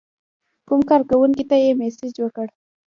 کوم کارکونکي ته یې مسیج وکړ.